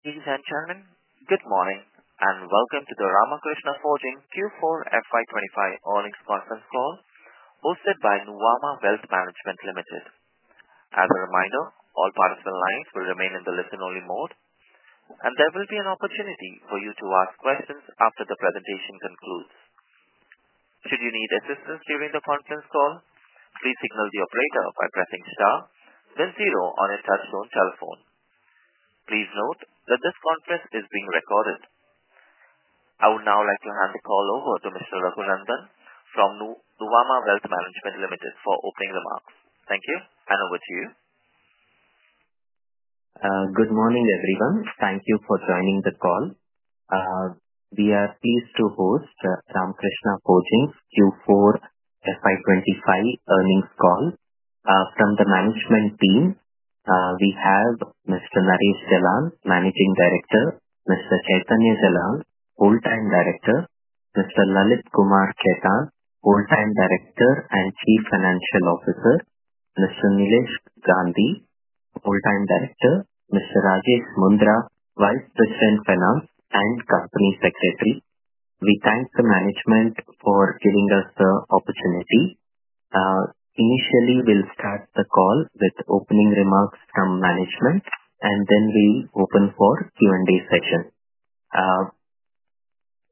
Ings and Chairman, good morning and welcome to the Ramkrishna Forgings Q4 FY25 earnings conference call hosted by Nuvama Wealth Management Limited. As a reminder, all participant lines will remain in the listen-only mode, and there will be an opportunity for you to ask questions after the presentation concludes. Should you need assistance during the conference call, please signal the operator by pressing star, then zero on your touchstone telephone. Please note that this conference is being recorded. I would now like to hand the call over to Mr. Raghunandan from Nuvama Wealth Management Limited for opening remarks. Thank you, and over to you. Good morning, everyone. Thank you for joining the call. We are pleased to host Ramkrishna Forgings Q4 FY25 earnings call. From the management team, we have Mr. Naresh Jalan, Managing Director; Mr. Chaitanya Jalan, Whole Time Director; Mr. Lalit Kumar Khetan, Whole Time Director and Chief Financial Officer; Mr. Milesh Gandhi, Whole Time Director; Mr. Rajesh Mundra, Vice President Finance and Company Secretary. We thank the management for giving us the opportunity. Initially, we'll start the call with opening remarks from management, and then we'll open for Q&A session.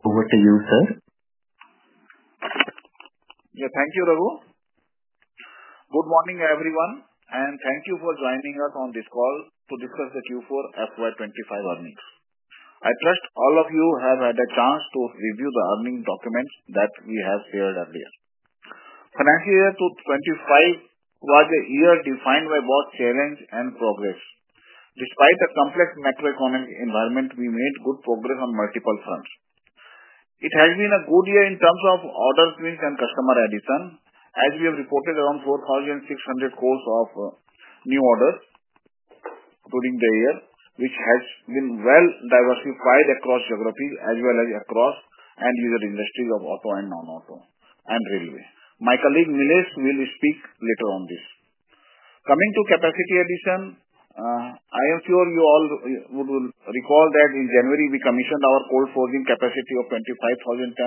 Over to you, sir. Yeah, thank you, Raghu. Good morning, everyone, and thank you for joining us on this call to discuss the Q4 FY2025 earnings. I trust all of you have had a chance to review the earnings documents that we have shared earlier. Financial year 2025 was a year defined by both challenge and progress. Despite the complex macroeconomic environment, we made good progress on multiple fronts. It has been a good year in terms of order swings and customer addition, as we have reported around 4,600 crores of new orders during the year, which has been well diversified across geographies as well as across end-user industries of auto and non-auto and railway. My colleague Milesh will speak later on this. Coming to capacity addition, I am sure you all would recall that in January, we commissioned our cold forging capacity of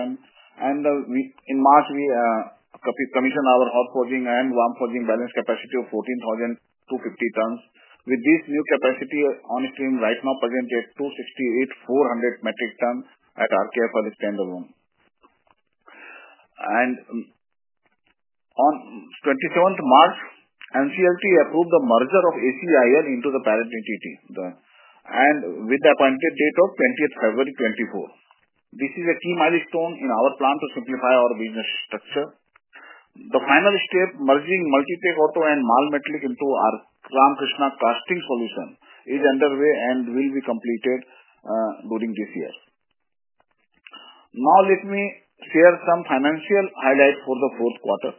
25,000 tons, and in March, we commissioned our hot forging and warm forging balance capacity of 14,250 tons. With this new capacity on stream right now, present at 268,400 metric tons at RKF, I'll explain that one. On 27 March, NCLT approved the merger of ACIL into the parent entity, with the appointed date of 20 February 2024. This is a key milestone in our plan to simplify our business structure. The final step, merging Multi-Take Auto and Malmetallic into our Ramkrishna Casting Solutions, is underway and will be completed during this year. Now, let me share some financial highlights for the fourth quarter.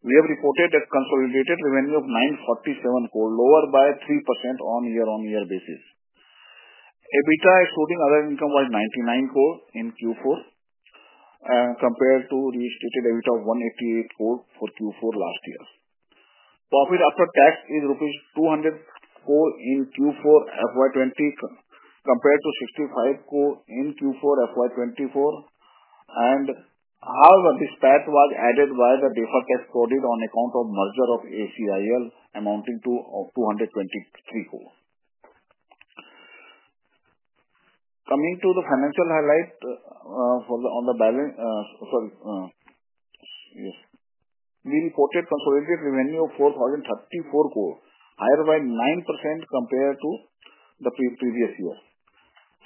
We have reported a consolidated revenue of 947 crore, lower by 3% on year-on-year basis. EBITDA excluding other income was 99 crore in Q4, compared to the stated EBITDA of 188 crore for Q4 last year. Profit after tax is rupees 204 crore in Q4 FY25, compared to 65 crore in Q4 FY24, and how this PAT was added by the deferred tax credit on account of merger of ACIL, amounting to 223 crore. Coming to the financial highlight on the balance, sorry, yes. We reported consolidated revenue of 4,034 crore, higher by 9% compared to the previous year.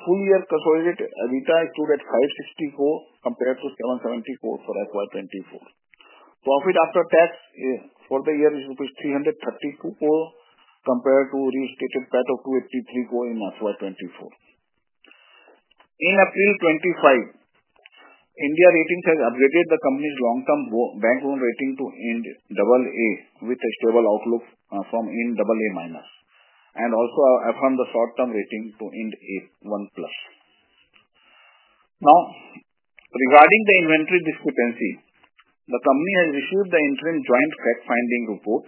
Full year consolidated EBITDA stood at 560 crore, compared to 770 crore for FY24. Profit after tax for the year is 332 crore, compared to the stated PAT of 283 crore in FY24. In April 2025, India Ratings has upgraded the company's long-term bank loan rating to Ind AA with a stable outlook from Ind AA minus, and also affirmed the short-term rating to Ind A1 plus. Now, regarding the inventory discrepancy, the company has received the interim joint fact-finding report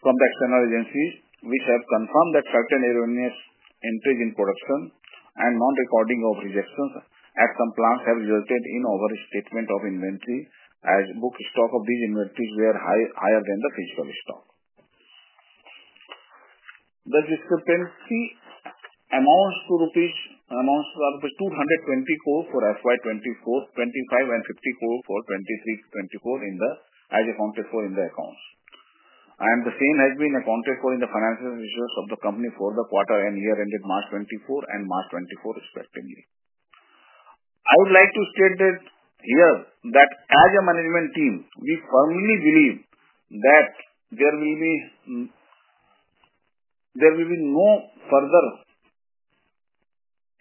from the external agencies, which have confirmed that certain erroneous entries in production and non-recording of rejections at some plants have resulted in overstatement of inventory, as book stock of these inventories were higher than the physical stock. The discrepancy amounts to rupees 220 crore for FY2024-2025, and 50 crore for 2023-2024 as accounted for in the accounts. The same has been accounted for in the financial results of the company for the quarter and year ended March 2024 and March 2024, respectively. I would like to state here that as a management team, we firmly believe that there will be no further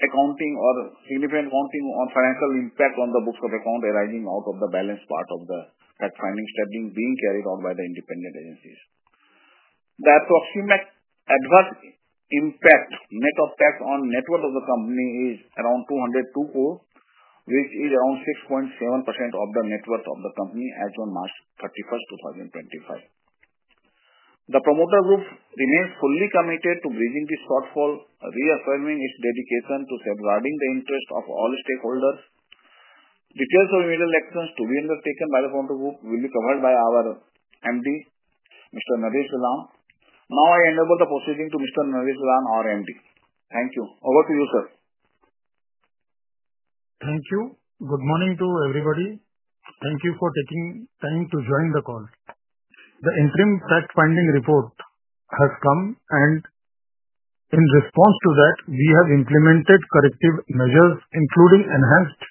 accounting or significant accounting or financial impact on the books of account arising out of the balance part of the fact-finding step being carried out by the independent agencies. The approximate adverse impact net of tax on net worth of the company is around INR 202 crore, which is around 6.7% of the net worth of the company as of March 31, 2025. The promoter group remains fully committed to bridging this shortfall, reaffirming its dedication to safeguarding the interest of all stakeholders. Details of immediate actions to be undertaken by the promoter group will be covered by our MD, Mr. Naresh Jalan. Now, I hand over the proceeding to Mr. Naresh Jalan, our MD. Thank you. Over to you, sir. Thank you. Good morning to everybody. Thank you for taking time to join the call. The interim fact-finding report has come, and in response to that, we have implemented corrective measures, including enhanced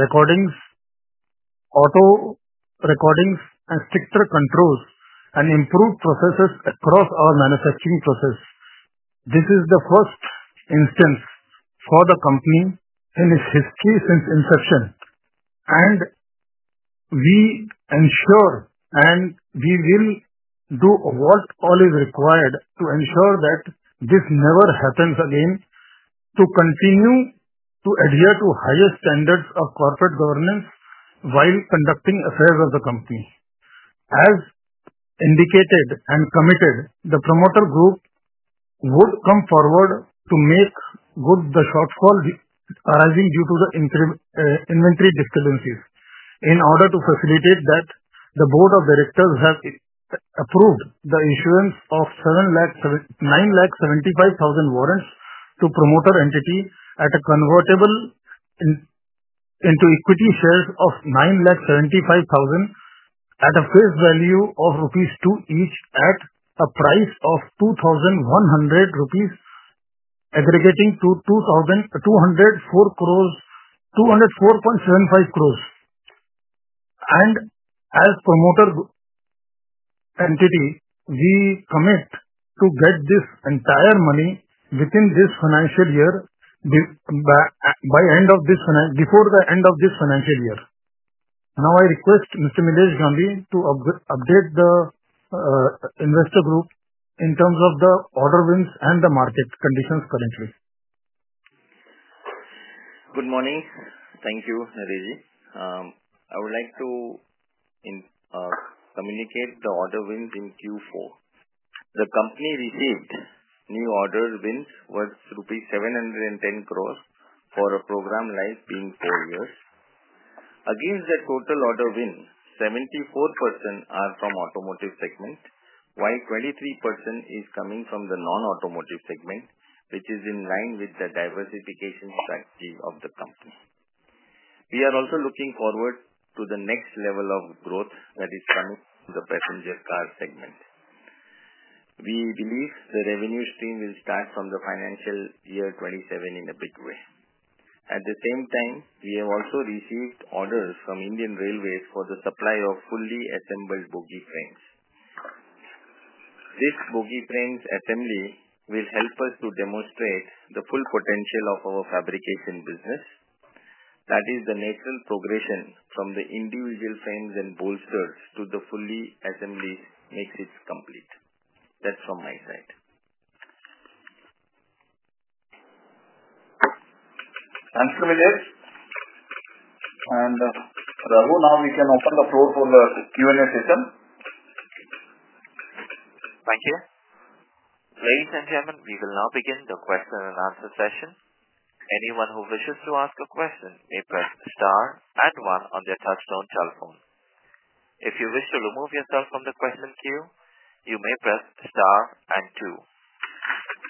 recordings, auto recordings, and stricter controls, and improved processes across our manufacturing process. This is the first instance for the company in its history since inception, and we ensure, and we will do what all is required to ensure that this never happens again, to continue to adhere to highest standards of corporate governance while conducting affairs of the company. As indicated and committed, the promoter group would come forward to make good the shortfall arising due to the inventory discrepancies. In order to facilitate that, the Board of Directors has approved the issuance of 975,000 warrants to promoter entity at a convertible into equity shares of 975,000 at a face value of INR 2 each at a price of INR 2,100, aggregating to 204.75 crore. As promoter entity, we commit to get this entire money within this financial year before the end of this financial year. Now, I request Mr. Milesh Gandhi to update the investor group in terms of the order wins and the market conditions currently. Good morning. Thank you, Naresh. I would like to communicate the order wins in Q4. The company received new order wins worth rupees 710 crore for a program life being four years. Against the total order win, 74% are from automotive segment, while 23% is coming from the non-automotive segment, which is in line with the diversification strategy of the company. We are also looking forward to the next level of growth that is coming from the passenger car segment. We believe the revenue stream will start from the financial year 2027 in a big way. At the same time, we have also received orders from Indian Railways for the supply of fully assembled bogie frames. This bogie frames assembly will help us to demonstrate the full potential of our fabrication business. That is, the natural progression from the individual frames and bolsters to the fully assemblies makes it complete. That's from my side. Thank you, Milesh. Raghu, now we can open the floor for the Q&A session. Thank you. Ladies and gentlemen, we will now begin the question and answer session. Anyone who wishes to ask a question may press star and one on their touchstone telephone. If you wish to remove yourself from the question queue, you may press star and two.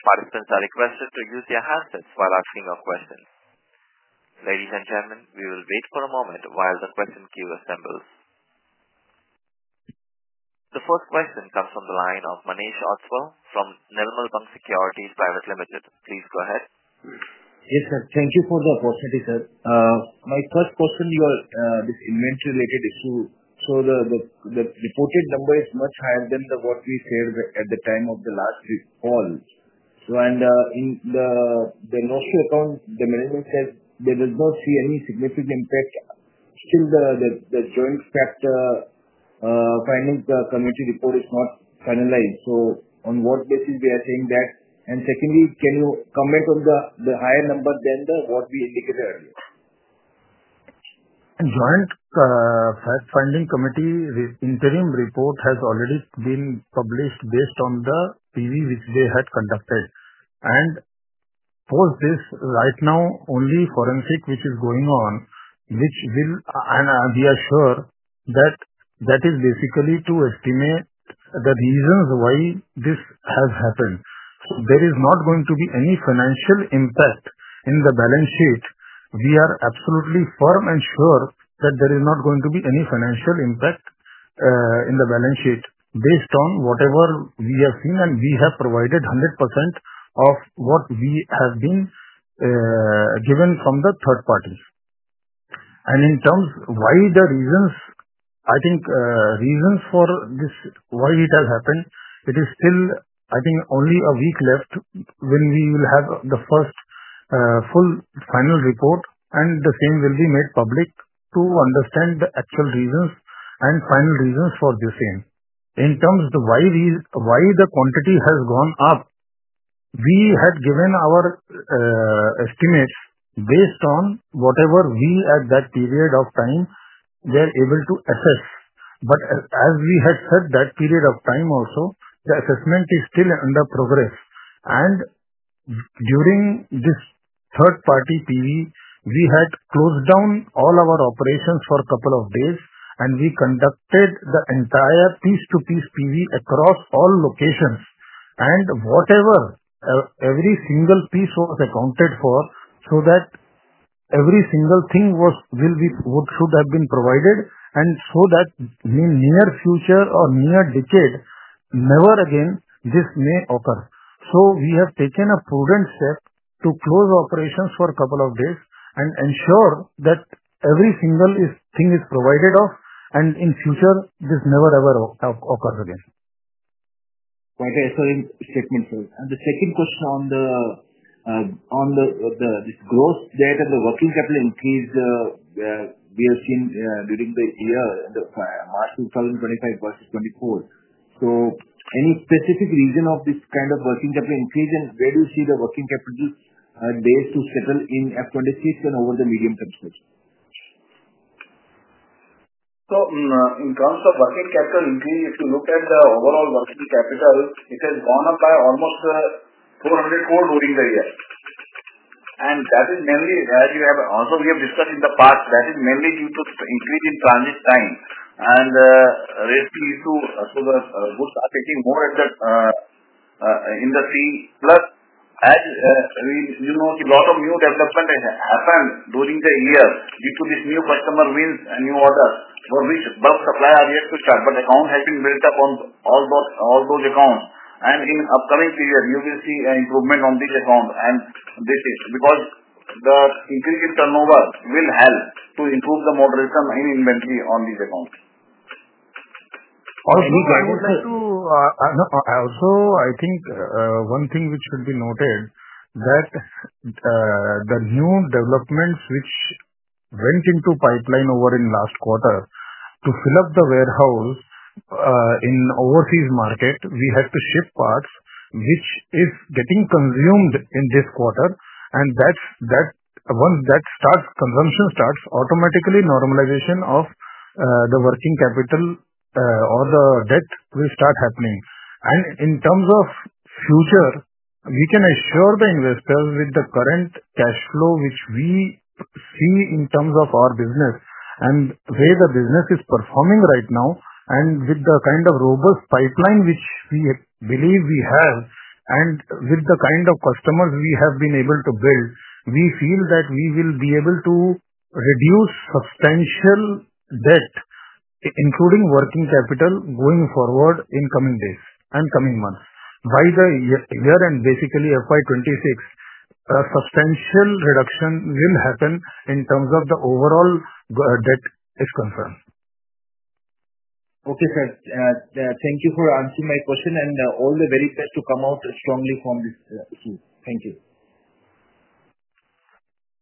Participants are requested to use their handsets while asking a question. Ladies and gentlemen, we will wait for a moment while the question queue assembles. The first question comes from the line of Manish Ostwal from Nirmal Bang Securities Private Limited. Please go ahead. Yes, sir. Thank you for the opportunity, sir. My first question, this inventory-related issue. The reported number is much higher than what we shared at the time of the last call. In the no-show account, the management said they did not see any significant impact. Still, the joint factor findings committee report is not finalized. On what basis are we saying that? Secondly, can you comment on the higher number than what we indicated earlier? Joint fact-finding committee interim report has already been published based on the PV which they had conducted. Post this, right now, only forensic is going on, which will be assured that that is basically to estimate the reasons why this has happened. There is not going to be any financial impact in the balance sheet. We are absolutely firm and sure that there is not going to be any financial impact in the balance sheet based on whatever we have seen, and we have provided 100% of what we have been given from the third party. In terms of why the reasons, I think reasons for this why it has happened, it is still, I think, only a week left when we will have the first full final report. The same will be made public to understand the actual reasons and final reasons for the same. In terms of why the quantity has gone up, we had given our estimates based on whatever we at that period of time were able to assess. As we had said that period of time also, the assessment is still under progress. During this third-party PV, we had closed down all our operations for a couple of days, and we conducted the entire piece-to-piece PV across all locations. Whatever every single piece was accounted for so that every single thing will be what should have been provided, and so that in the near future or near decade, never again this may occur. We have taken a prudent step to close operations for a couple of days and ensure that every single thing is provided for, and in future, this never ever occurs again. Quite a solid statement, sir. The second question on the gross debt and the working capital increase we have seen during the year, March 2025 versus 2024. Any specific reason for this kind of working capital increase, and where do you see the working capital base to settle in 2026 and over the medium term schedule? In terms of working capital increase, if you look at the overall working capital, it has gone up by almost 400 crore during the year. That is mainly, as we have discussed in the past, due to increase in transit time. Rates need to, so the goods are getting more at the industry. Plus, as you know, a lot of new development has happened during the year due to these new customer wins and new orders for which bulk supply are yet to start. Accounts have been built up on all those accounts. In the upcoming period, you will see an improvement on these accounts. This is because the increase in turnover will help to improve the moderation in inventory on these accounts. Also, I think one thing which should be noted is that the new developments which went into pipeline over in last quarter, to fill up the warehouse in overseas market, we had to ship parts which is getting consumed in this quarter. Once that consumption starts, automatically normalization of the working capital or the debt will start happening. In terms of future, we can assure the investors with the current cash flow which we see in terms of our business and the way the business is performing right now, and with the kind of robust pipeline which we believe we have, and with the kind of customers we have been able to build, we feel that we will be able to reduce substantial debt, including working capital, going forward in coming days and coming months. By the year end, basically FY26, a substantial reduction will happen in terms of the overall debt is concerned. Okay, sir. Thank you for answering my question, and all the very best to come out strongly from this issue. Thank you.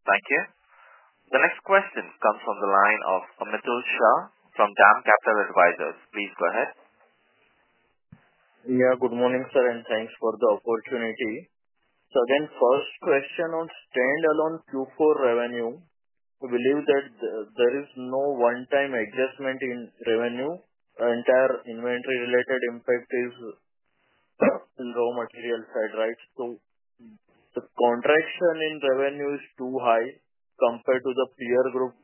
Thank you. The next question comes from the line of Amitosh Shah from DAM Capital Advisors. Please go ahead. Yeah, good morning, sir, and thanks for the opportunity. Again, first question on standalone Q4 revenue, we believe that there is no one-time adjustment in revenue. Entire inventory-related impact is in raw material side, right? The contraction in revenue is too high compared to the peer group,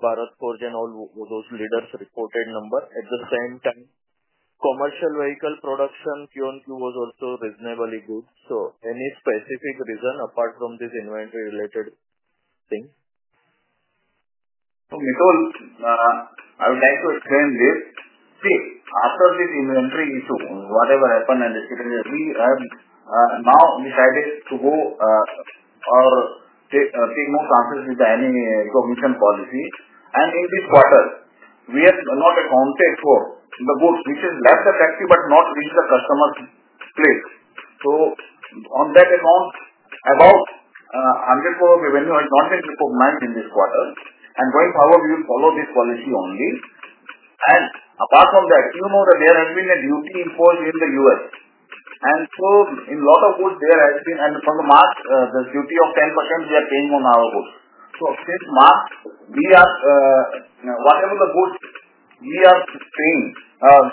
Bharat Forge and all those leaders reported number. At the same time, commercial vehicle production, Q on Q was also reasonably good. Any specific reason apart from this inventory-related thing? Mitol, I would like to explain this. See, after this inventory issue, whatever happened and the situation, we have now decided to take no chances with any recognition policy. In this quarter, we have not accounted for the goods which have left the factory but not reached the customer's place. On that account, about 100 crore of revenue has not been recognized in this quarter. Going forward, we will follow this policy only. Apart from that, you know that there has been a duty imposed in the U.S., and in a lot of goods, there has been, and from the mark, the duty of 10% we are paying on our goods. Since March, whatever the goods we are paying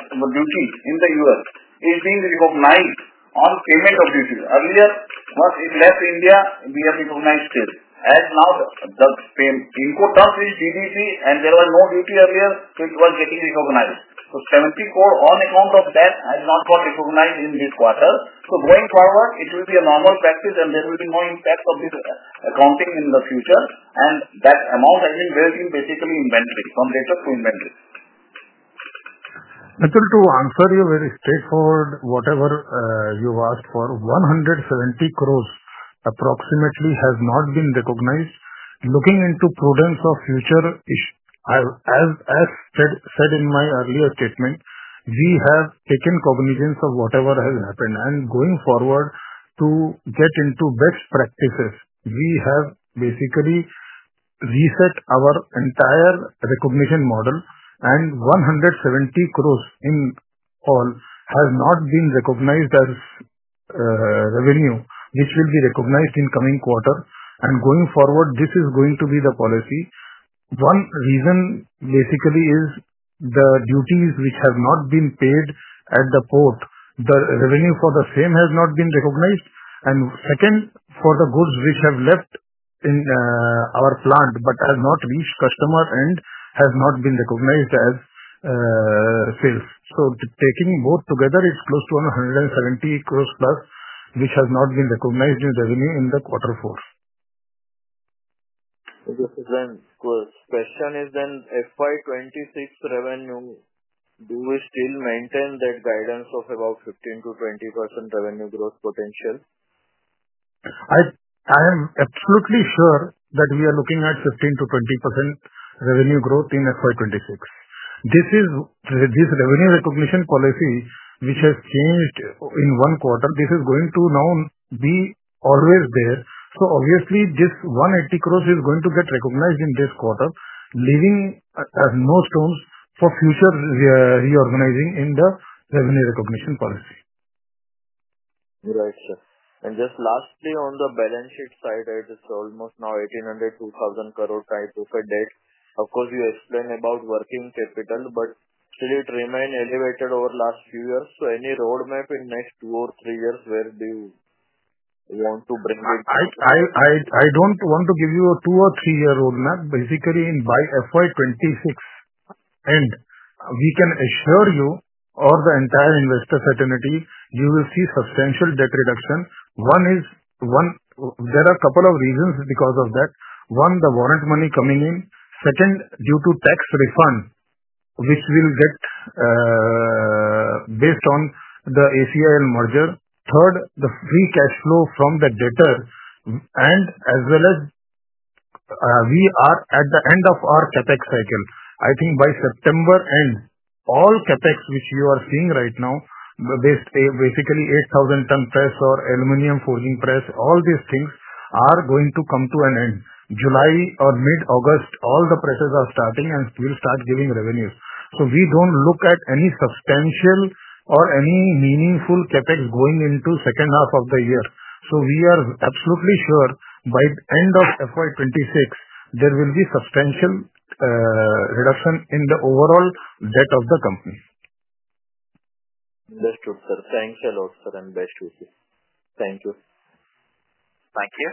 duty in the U.S. is being recognized on payment of duty. Earlier, once it left India, we have recognized still. As now, the income is GDP, and there was no duty earlier, so it was getting recognized. 70 crore on account of that has not got recognized in this quarter. Going forward, it will be a normal practice, and there will be no impact of this accounting in the future. That amount has been built in basically inventory from data to inventory. Mitol, to answer you very straightforward, whatever you've asked for, 170 crore approximately has not been recognized. Looking into prudence of future, as said in my earlier statement, we have taken cognizance of whatever has happened. Going forward, to get into best practices, we have basically reset our entire recognition model. 170 crore in all has not been recognized as revenue, which will be recognized in coming quarter. Going forward, this is going to be the policy. One reason basically is the duties which have not been paid at the port. The revenue for the same has not been recognized. Second, for the goods which have left our plant but have not reached customer and have not been recognized as sales. Taking both together, it's close to 170 crore plus, which has not been recognized in revenue in quarter four. This question is then FY26 revenue, do we still maintain that guidance of about 15-20% revenue growth potential? I am absolutely sure that we are looking at 15%-20% revenue growth in FY 2026. This revenue recognition policy, which has changed in one quarter, this is going to now be always there. Obviously, this 180 crore is going to get recognized in this quarter, leaving no stones for future reorganizing in the revenue recognition policy. Right, sir. And just lastly, on the balance sheet side, it is almost now 1,800 crore-2,000 crore type of a debt. Of course, you explained about working capital, but still it remained elevated over the last few years. So any roadmap in next two or three years, where do you want to bring it? I don't want to give you a two or three-year roadmap. Basically, by FY2026, we can assure you or the entire investor certainty, you will see substantial debt reduction. One is there are a couple of reasons because of that. One, the warrant money coming in. Second, due to tax refund, which will get based on the ACIL merger. Third, the free cash flow from the debtor. And as well as we are at the end of our CapEx cycle. I think by September, all CapEx which you are seeing right now, basically 8,000-ton press or aluminum forging press, all these things are going to come to an end. July or mid-August, all the presses are starting and will start giving revenues. We don't look at any substantial or any meaningful CapEx going into the second half of the year. We are absolutely sure by the end of FY 2026, there will be substantial reduction in the overall debt of the company. Best wish, sir. Thank you a lot, sir, and best wishes. Thank you. Thank you.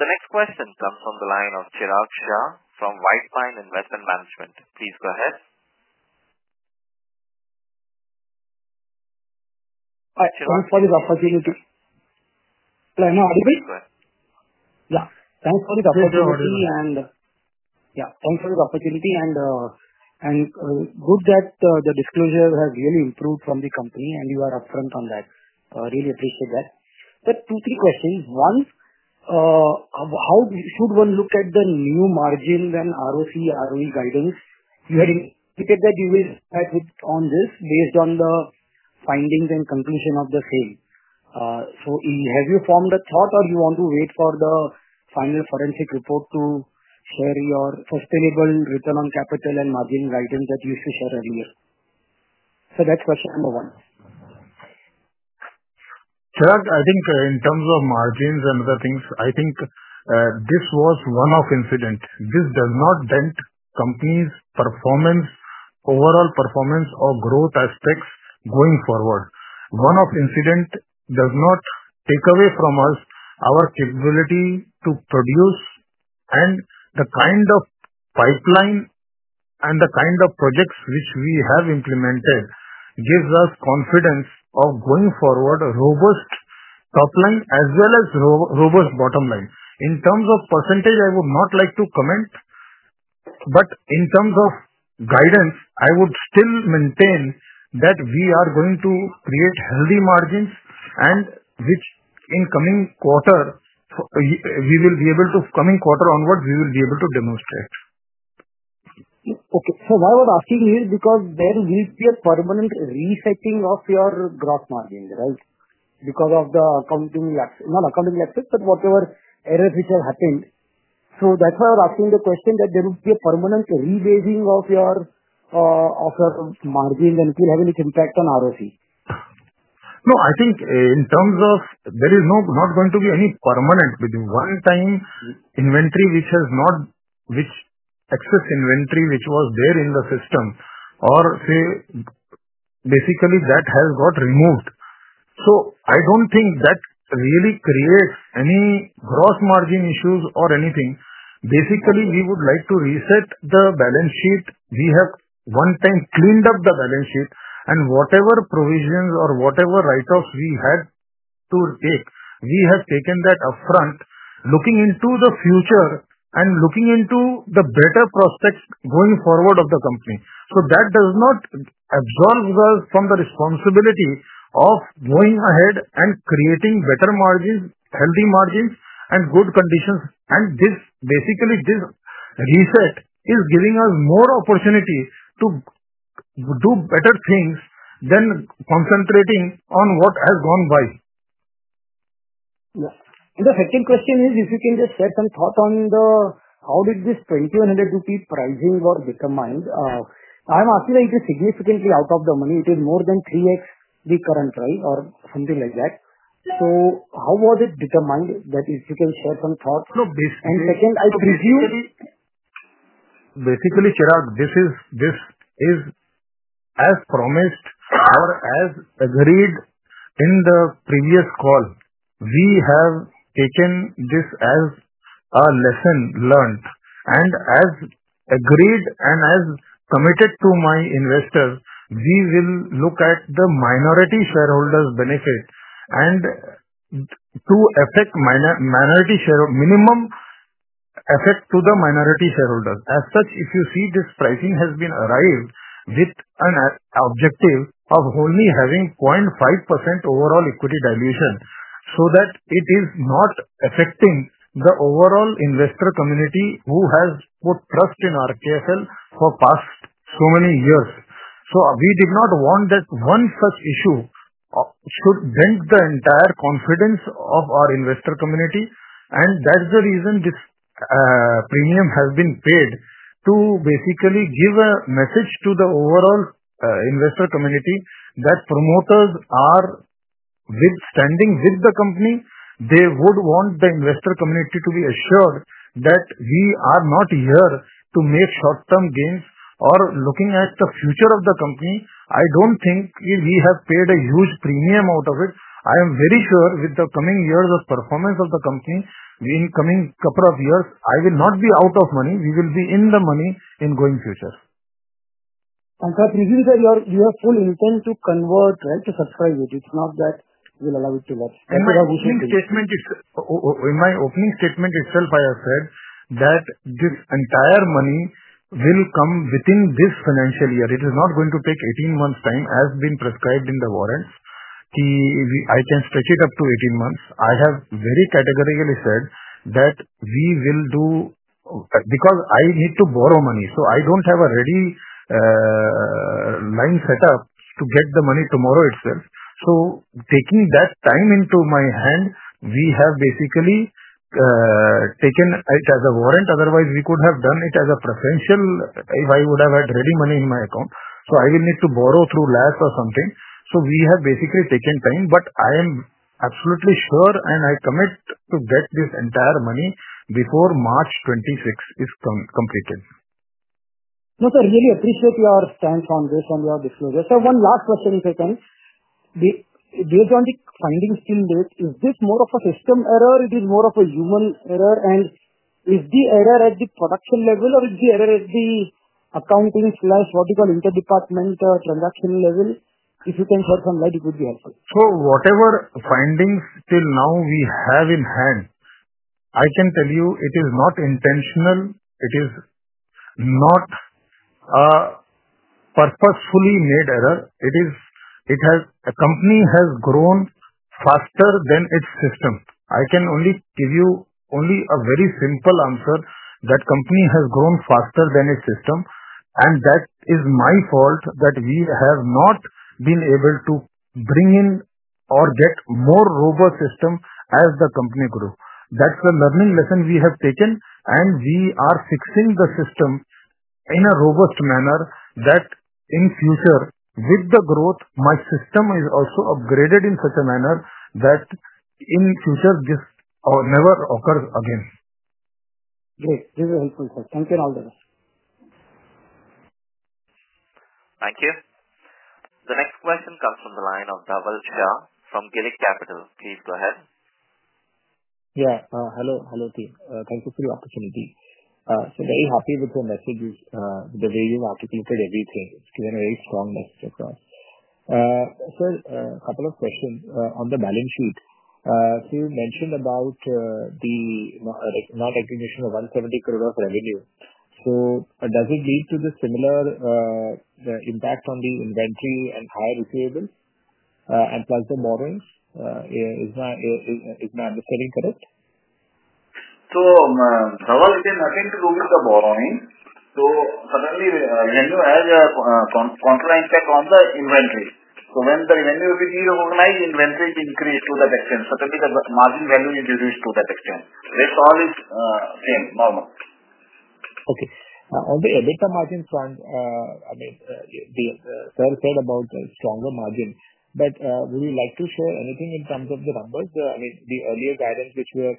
The next question comes from the line of Chirag Shah from White Pine Investment Management. Please go ahead. Thanks for this opportunity. Please go ahead. Yeah. Thanks for this opportunity. Good that the disclosure has really improved from the company, and you are upfront on that. Really appreciate that. Two, three questions. One, how should one look at the new margin and ROC, ROE guidance? You had indicated that you will start on this based on the findings and conclusion of the same. Have you formed a thought, or do you want to wait for the final forensic report to share your sustainable return on capital and margin guidance that you used to share earlier? That is question number one. Chirag, I think in terms of margins and other things, I think this was one-off incident. This does not dent company's performance, overall performance, or growth aspects going forward. One-off incident does not take away from us our capability to produce. The kind of pipeline and the kind of projects which we have implemented gives us confidence of going forward, robust top line as well as robust bottom line. In terms of %, I would not like to comment. In terms of guidance, I would still maintain that we are going to create healthy margins, and which in coming quarter, we will be able to, coming quarter onwards, we will be able to demonstrate. Okay. So why I was asking is because there will be a permanent resetting of your gross margin, right? Because of the accounting lapse, not accounting lapse, but whatever errors which have happened. That is why I was asking the question that there will be a permanent rebasing of your margin and it will have any impact on ROC. No, I think in terms of there is not going to be any permanent with one-time inventory which has not, which excess inventory which was there in the system, or say basically that has got removed. I do not think that really creates any gross margin issues or anything. Basically, we would like to reset the balance sheet. We have one-time cleaned up the balance sheet. Whatever provisions or whatever write-offs we had to take, we have taken that upfront, looking into the future and looking into the better prospects going forward of the company. That does not absolve us from the responsibility of going ahead and creating better margins, healthy margins, and good conditions. Basically, this reset is giving us more opportunity to do better things than concentrating on what has gone by. Yeah. The second question is if you can just share some thought on how did this 2,100 rupee pricing was determined. I'm assuming it is significantly out of the money. It is more than 3x the current price or something like that. So how was it determined that if you can share some thoughts? Basically, Chirag, this is as promised or as agreed in the previous call. We have taken this as a lesson learned. As agreed and as committed to my investors, we will look at the minority shareholders' benefit and to affect minority shareholders, minimum effect to the minority shareholders. As such, if you see this pricing has been arrived with an objective of only having 0.5% overall equity dilution, so that it is not affecting the overall investor community who has put trust in RKSL for past so many years. We did not want that one such issue should dent the entire confidence of our investor community. That is the reason this premium has been paid to basically give a message to the overall investor community that promoters are withstanding with the company. They would want the investor community to be assured that we are not here to make short-term gains or looking at the future of the company. I do not think we have paid a huge premium out of it. I am very sure with the coming years of performance of the company, in coming couple of years, I will not be out of money. We will be in the money in going future. I presume that you have full intent to convert, right, to subscribe it. It's not that you will allow it to let. In my opening statement itself, I have said that this entire money will come within this financial year. It is not going to take 18 months' time as been prescribed in the warrants. I can stretch it up to 18 months. I have very categorically said that we will do because I need to borrow money. I do not have a ready line set up to get the money tomorrow itself. Taking that time into my hand, we have basically taken it as a warrant. Otherwise, we could have done it as a preferential if I would have had ready money in my account. I will need to borrow through LAS or something. We have basically taken time. I am absolutely sure and I commit to get this entire money before March 2026 is completed. No, sir, really appreciate your stance on this and your disclosure. One last question, if I can. Based on the findings till date, is this more of a system error? Is it more of a human error? Is the error at the production level or is the error at the accounting or, what do you call, interdepartment transaction level? If you can share some light, it would be helpful. Whatever findings till now we have in hand, I can tell you it is not intentional. It is not a purposefully made error. The company has grown faster than its system. I can only give you a very simple answer that the company has grown faster than its system. That is my fault that we have not been able to bring in or get a more robust system as the company grew. That is the learning lesson we have taken. We are fixing the system in a robust manner so that in future, with the growth, my system is also upgraded in such a manner that in future this never occurs again. Great. This is helpful, sir. Thank you and all the best. Thank you. The next question comes from the line of Dhaval Shah from Gillick Capital. Please go ahead. Yeah. Hello. Hello team. Thank you for the opportunity. Very happy with the message, the way you've articulated everything. It's given a very strong message across. Sir, a couple of questions on the balance sheet. You mentioned about the non-recognition of 170 crore of revenue. Does it lead to the similar impact on the inventory and higher receivables? Plus the borrowings, is my understanding correct? Dhaval did not attempt to go with the borrowing. Suddenly, revenue has a counter impact on the inventory. When the revenue will be reorganized, inventory will increase to that extent. Suddenly, the margin value will decrease to that extent. Rest all is same, normal. Okay. On the additional margin front, I mean, the sir said about stronger margin. Would you like to share anything in terms of the numbers? I mean, the earlier guidance which we were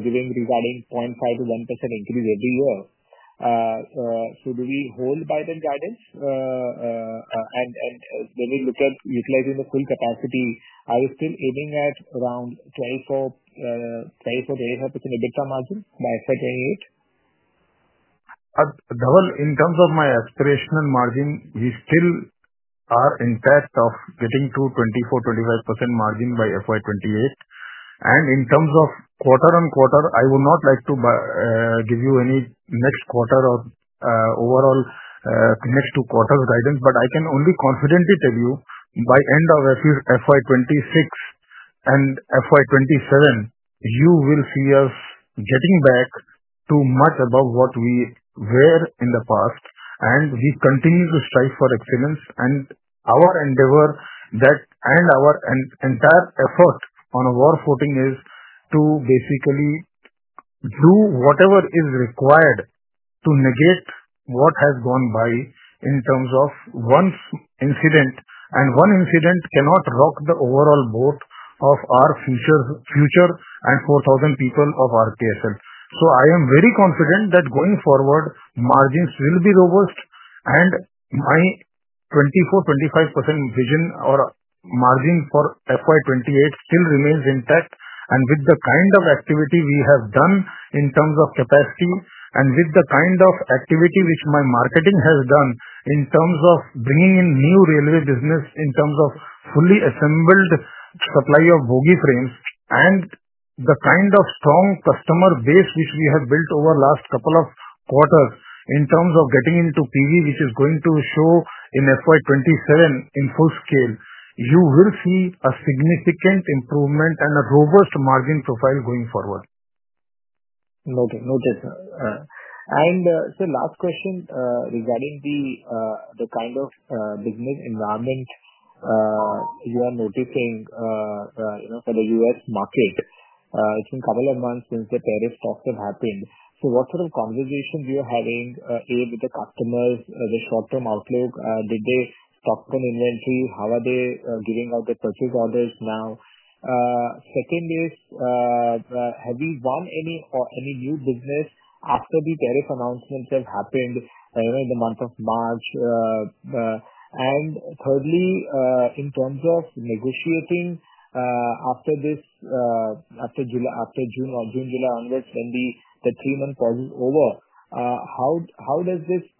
giving regarding 0.5-1% increase every year. Do we hold by that guidance? When we look at utilizing the full capacity, are we still aiming at around 24-25% additional margin by FY2028? Dhaval, in terms of my aspirational margin, we still are intact of getting to 24%-25% margin by FY2028. In terms of quarter on quarter, I would not like to give you any next quarter or overall next two quarters guidance. I can only confidently tell you by end of FY2026 and FY2027, you will see us getting back to much above what we were in the past. We continue to strive for excellence. Our endeavor and our entire effort on our footing is to basically do whatever is required to negate what has gone by in terms of one incident. One incident cannot rock the overall boat of our future and 4,000 people of RKSL. I am very confident that going forward, margins will be robust. My 24%-25% vision or margin for FY2028 still remains intact. With the kind of activity we have done in terms of capacity and with the kind of activity which my marketing has done in terms of bringing in new railway business, in terms of fully assembled supply of bogie frames, and the kind of strong customer base which we have built over the last couple of quarters in terms of getting into PV, which is going to show in FY2027 in full scale, you will see a significant improvement and a robust margin profile going forward. Noted. Noted, sir. Last question regarding the kind of business environment you are noticing for the US market. It's been a couple of months since the Paris talks have happened. What sort of conversations are you having with the customers, the short-term outlook? Did they stock up on inventory? How are they giving out their purchase orders now? Second is, have we won any new business after the tariff announcements have happened in the month of March? Thirdly, in terms of negotiating after June, July onwards, when the three-month pause is over,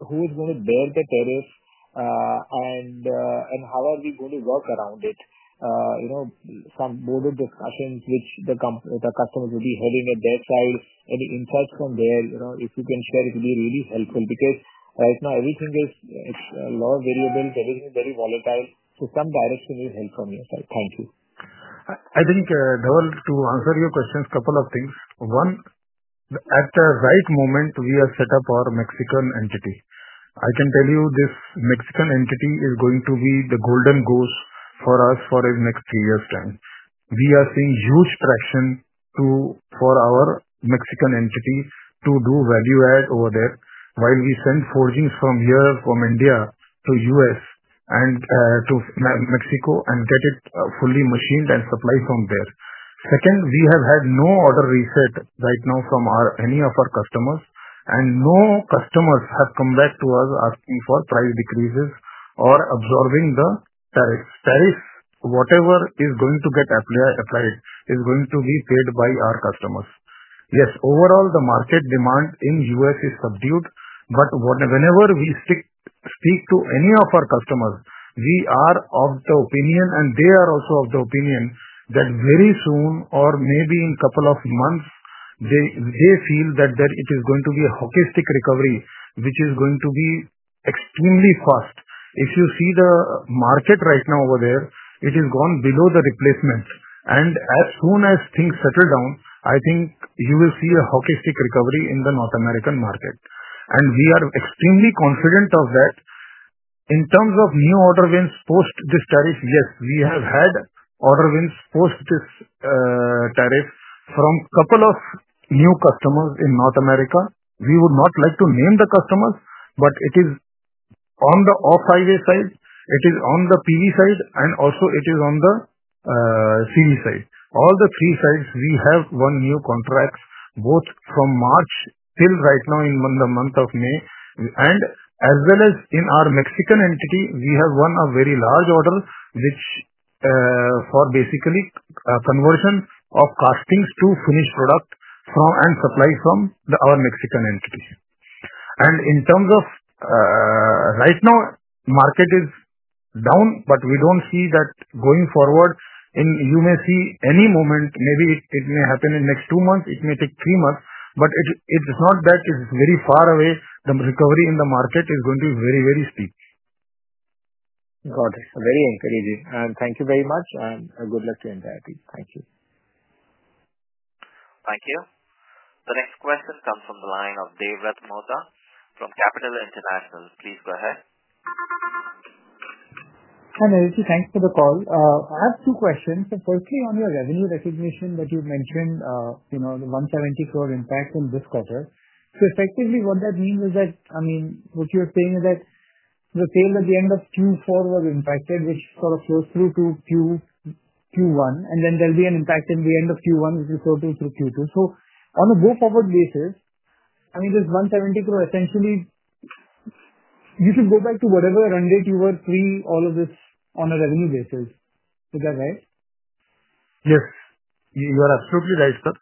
who is going to bear the tariff? How are we going to work around it? Some broader discussions which the customers will be having at their side, any insights from there, if you can share, it would be really helpful. Because right now, everything is low variables. Everything is very volatile. Some direction will help from your side. Thank you. I think, Dhaval, to answer your questions, a couple of things. One, at the right moment, we have set up our Mexican entity. I can tell you this Mexican entity is going to be the golden goose for us for the next three years' time. We are seeing huge traction for our Mexican entity to do value add over there while we send forgings from here, from India to the U.S. and to Mexico and get it fully machined and supplied from there. Second, we have had no order reset right now from any of our customers. No customers have come back to us asking for price decreases or absorbing the tariffs. Tariffs, whatever is going to get applied, is going to be paid by our customers. Yes, overall, the market demand in the U.S. is subdued. Whenever we speak to any of our customers, we are of the opinion, and they are also of the opinion that very soon or maybe in a couple of months, they feel that it is going to be a hockey stick recovery, which is going to be extremely fast. If you see the market right now over there, it has gone below the replacement. As soon as things settle down, I think you will see a hockey stick recovery in the North American market. We are extremely confident of that. In terms of new order wins post this tariff, yes, we have had order wins post this tariff from a couple of new customers in North America. We would not like to name the customers, but it is on the off-highway side. It is on the PV side, and also it is on the CV side. All the three sides, we have won new contracts, both from March till right now in the month of May. As well as in our Mexican entity, we have won a very large order for basically conversion of castings to finished product and supply from our Mexican entity. In terms of right now, market is down, but we do not see that going forward. You may see any moment, maybe it may happen in the next two months. It may take three months, but it is not that it is very far away. The recovery in the market is going to be very, very steep. Got it. Very encouraging. Thank you very much. Good luck to the entire team. Thank you. Thank you. The next question comes from the line of David Rathmosa from. Please go ahead. Hi, Naresh. Thanks for the call. I have two questions. Firstly, on your revenue recognition that you've mentioned, the 170 crore impact in this quarter. Effectively, what that means is that, I mean, what you're saying is that the sales at the end of Q4 were impacted, which sort of flows through to Q1. Then there will be an impact in the end of Q1, which will flow through to Q2. On a go-forward basis, I mean, this 170 crore, essentially, you can go back to whatever run rate you were pre all of this on a revenue basis. Is that right? Yes. You are absolutely right, sir.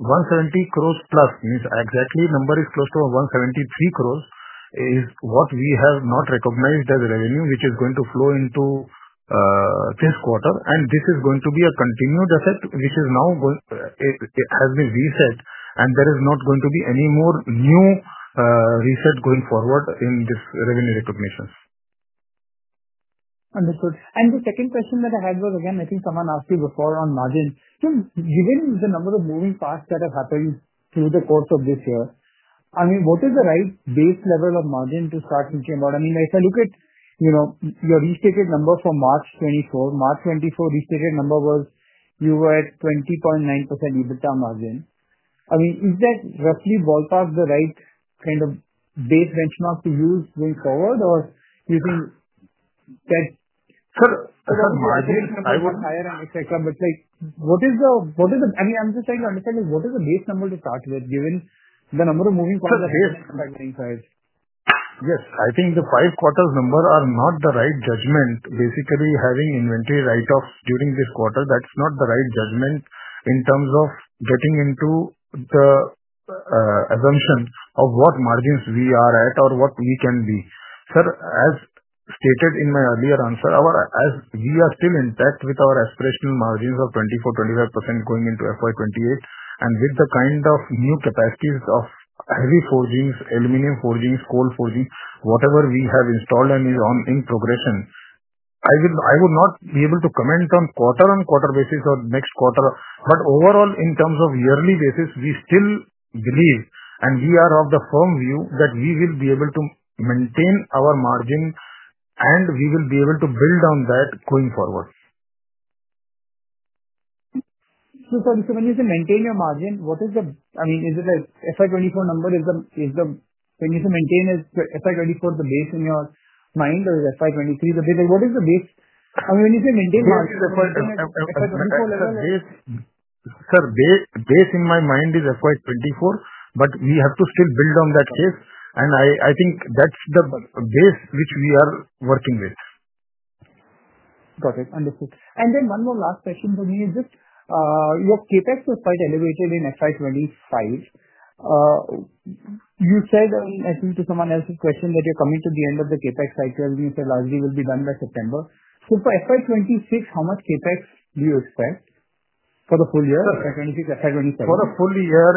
170 crores plus means exact number is close to 173 crores is what we have not recognized as revenue, which is going to flow into this quarter. This is going to be a continued effect, which now has been reset. There is not going to be any more new reset going forward in this revenue recognition. Understood. The second question that I had was, again, I think someone asked you before on margin. Given the number of moving parts that have happened through the course of this year, I mean, what is the right base level of margin to start thinking about? I mean, if I look at your restated number for March 2024, March 2024 restated number was you were at 20.9% EBITDA margin. I mean, is that roughly ballpark the right kind of base benchmark to use going forward or you think that? Sir, I would. Margin is higher and etc., but what is the, I mean, I'm just trying to understand what is the base number to start with given the number of moving parts that have been recognized? Yes. I think the five quarters number are not the right judgment. Basically, having inventory write-offs during this quarter, that's not the right judgment in terms of getting into the assumption of what margins we are at or what we can be. Sir, as stated in my earlier answer, we are still intact with our aspirational margins of 24-25% going into FY2028. With the kind of new capacities of heavy forgings, aluminum forgings, cold forgings, whatever we have installed and is in progression, I would not be able to comment on quarter on quarter basis or next quarter. Overall, in terms of yearly basis, we still believe, and we are of the firm view that we will be able to maintain our margin, and we will be able to build on that going forward. When you say maintain your margin, what is the, I mean, is it the FY24 number? Is the, when you say maintain, is FY24 the base in your mind, or is FY23 the base? What is the base? I mean, when you say maintain margin, is FY24 level? Sir, base in my mind is FY24, but we have to still build on that case. I think that's the base which we are working with. Got it. Understood. One more last question for me is just your CapEx was quite elevated in FY 2025. You said, I think to someone else's question, that you're coming to the end of the CapEx cycle. You said largely will be done by September. For FY 2026, how much CapEx do you expect for the full year, FY 2026, FY 2027? For the full year,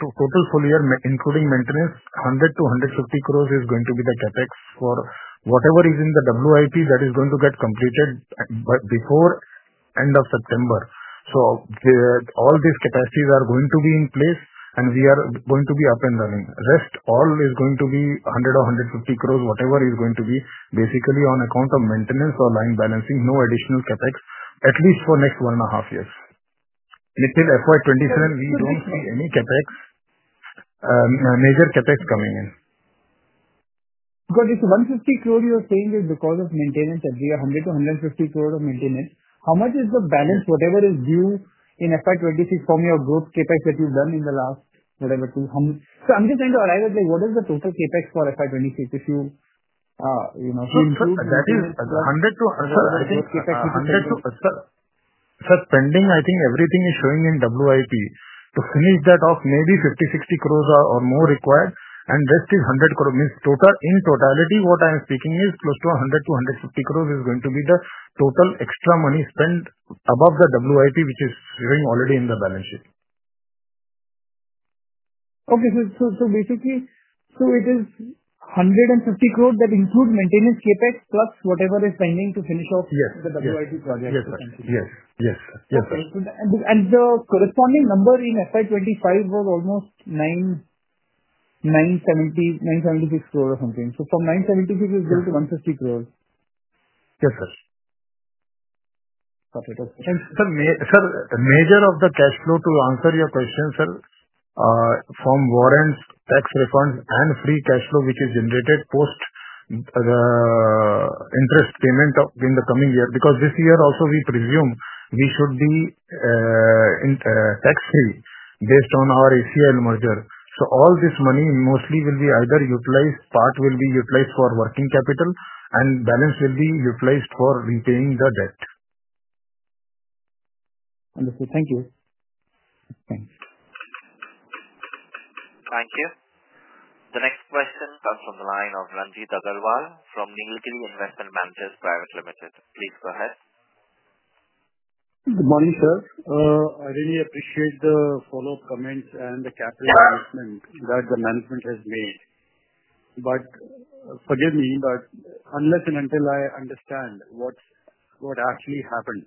total full year, including maintenance, 100-150 crore is going to be the CapEx for whatever is in the WIP that is going to get completed before end of September. All these capacities are going to be in place, and we are going to be up and running. Rest all is going to be 100 or 150 crore, whatever is going to be, basically on account of maintenance or line balancing, no additional CapEx, at least for next one and a half years. Until FY 2027, we do not see any major CapEx coming in. Got it. So 150 crore you're saying is because of maintenance, at least 100-150 crore of maintenance. How much is the balance, whatever is due in FY 2026 from your gross CapEx that you've done in the last whatever two? I'm just trying to arrive at what is the total CapEx for FY 2026 if you see through? That is 100-150 crore. Sir, pending, I think everything is showing in WIP. To finish that off, maybe 50-60 crore or more required. The rest is 100 crore. Means total in totality, what I am speaking is close to 100-150 crore is going to be the total extra money spent above the WIP, which is showing already in the balance sheet. Okay. So basically, it is 150 crore that include maintenance CapEx plus whatever is pending to finish off the WIP project, essentially. Yes. Okay. The corresponding number in FY25 was almost 976 crore or something. From 976 crore, it is going to 150 crore. Yes, sir. Got it. Okay. Sir, major of the cash flow, to answer your question, sir, from warrants, tax refunds, and free cash flow, which is generated post interest payment in the coming year. Because this year also, we presume we should be tax-free based on our ACIL merger. All this money mostly will be either utilized, part will be utilized for working capital, and balance will be utilized for repaying the debt. Understood. Thank you. Thanks. Thank you. The next question comes from the line of Rajit Aggarwal fromNilgiri Investment Managers Private Limited. Please go ahead. Good morning, sir. I really appreciate the follow-up comments and the capital investment that the management has made. Forgive me, but unless and until I understand what actually happened,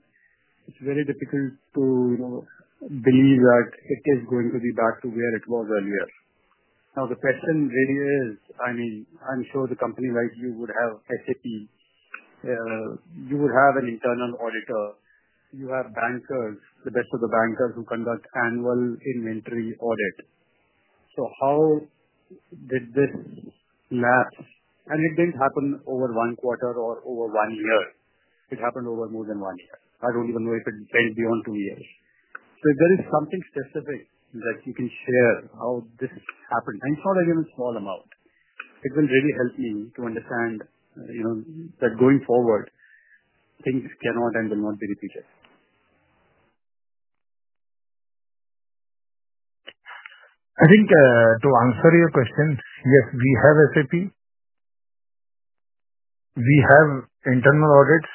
it's very difficult to believe that it is going to be back to where it was earlier. Now, the question really is, I mean, I'm sure a company like you would have SAP. You would have an internal auditor. You have bankers, the best of the bankers, who conduct annual inventory audit. How did this lapse? It didn't happen over one quarter or over one year. It happened over more than one year. I don't even know if it went beyond two years. If there is something specific that you can share how this happened, and it's not even a small amount, it will really help me to understand that going forward, things cannot and will not be repeated. I think to answer your question, yes, we have SAP. We have internal audits.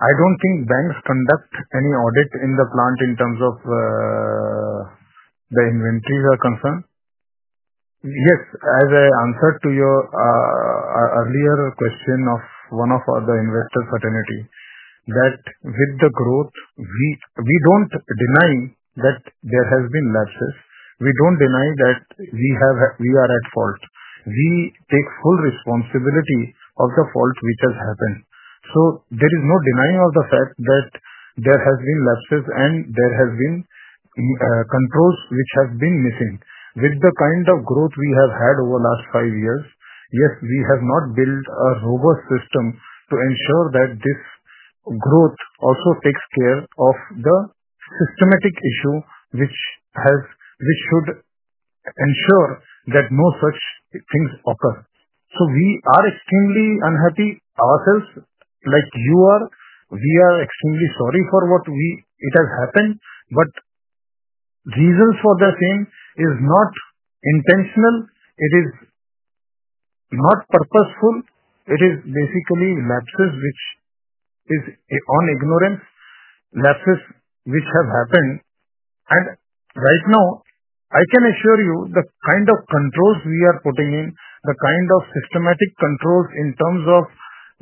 I don't think banks conduct any audit in the plant in terms of the inventories are concerned. Yes, as I answered to your earlier question of one of the investor fraternity, that with the growth, we don't deny that there have been lapses. We don't deny that we are at fault. We take full responsibility of the fault which has happened. There is no denying of the fact that there have been lapses and there have been controls which have been missing. With the kind of growth we have had over the last five years, yes, we have not built a robust system to ensure that this growth also takes care of the systematic issue which should ensure that no such things occur. We are extremely unhappy ourselves. Like you are, we are extremely sorry for what has happened. The reasons for the same are not intentional. It is not purposeful. It is basically lapses which are on ignorance, lapses which have happened. Right now, I can assure you the kind of controls we are putting in, the kind of systematic controls in terms of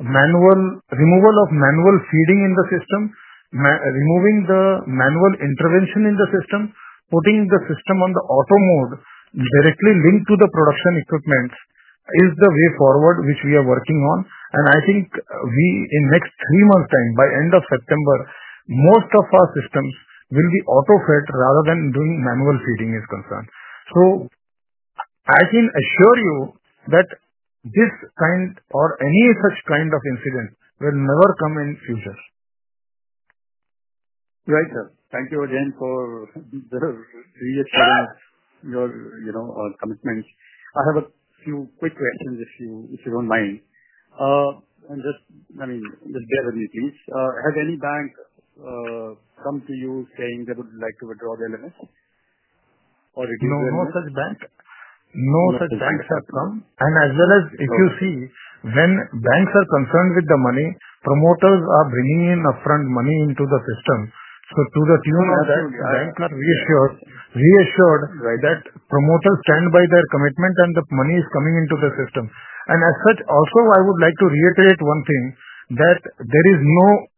manual removal of manual feeding in the system, removing the manual intervention in the system, putting the system on the auto mode, directly linked to the production equipment, is the way forward which we are working on. I think in the next three months' time, by end of September, most of our systems will be auto-fed rather than doing manual feeding as concerned. I can assure you that this kind or any such kind of incident will never come in the future. Right, sir. Thank you again for the reassuring of your commitment. I have a few quick questions if you do not mind. I mean, just bear with me, please. Has any bank come to you saying they would like to withdraw their limits? Or it is there? No, no such bank. No such banks have come. As well as if you see, when banks are concerned with the money, promoters are bringing in upfront money into the system. To the tune of that, banks are reassured that promoters stand by their commitment and the money is coming into the system. Also, I would like to reiterate one thing that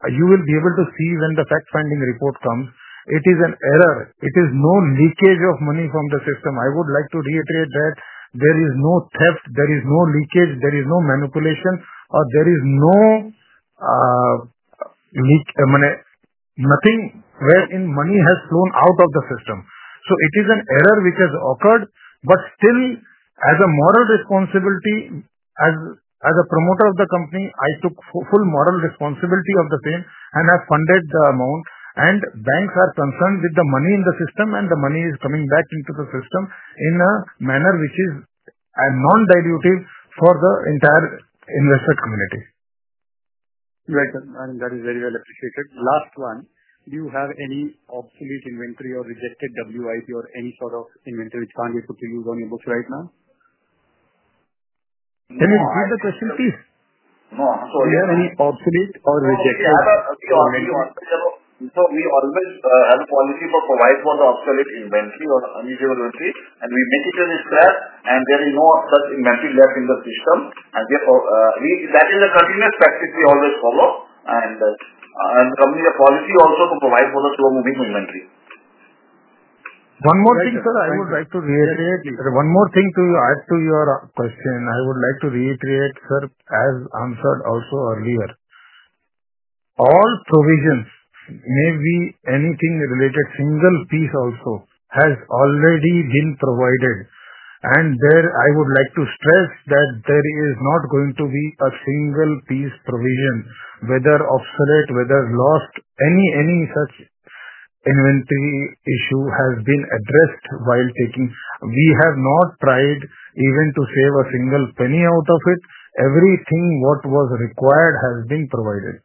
you will be able to see when the fact-finding report comes. It is an error. It is no leakage of money from the system. I would like to reiterate that there is no theft, there is no leakage, there is no manipulation, or there is no leak, nothing wherein money has flown out of the system. It is an error which has occurred. Still, as a moral responsibility, as a promoter of the company, I took full moral responsibility of the same and have funded the amount. Banks are concerned with the money in the system, and the money is coming back into the system in a manner which is non-dilutive for the entire investor community. Right, sir. I think that is very well appreciated. Last one. Do you have any obsolete inventory or rejected WIP or any sort of inventory which can't be put to use on your books right now? Can you repeat the question, please? Do you have any obsolete or rejected inventory? We always have a policy for providing for the obsolete inventory or unusable inventory. We make it a discrepancy and there is no such inventory left in the system. That is a continuous practice we always follow. The company's policy also is to provide for the slow-moving inventory. One more thing, sir, I would like to reiterate. One more thing to add to your question. I would like to reiterate, sir, as answered also earlier. All provisions, maybe anything related, single piece also, has already been provided. There I would like to stress that there is not going to be a single piece provision, whether obsolete, whether lost, any such inventory issue has been addressed while taking. We have not tried even to save a single penny out of it. Everything what was required has been provided.